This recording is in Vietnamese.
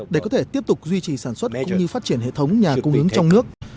để có thể tiếp tục duy trì sản xuất cũng như phát triển hệ thống nhà cung ứng trong nước